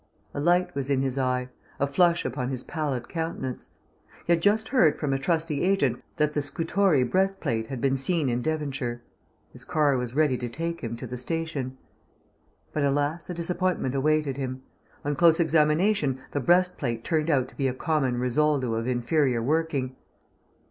A light was in his eye, a flush upon his pallid countenance. He had just heard from a trusty agent that the Scutori breast plate had been seen in Devonshire. His car was ready to take him to the station. But alas! a disappointment awaited him. On close examination the breast plate turned out to be a common Risoldo of inferior working.